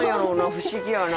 不思議やな。